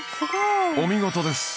お見事です！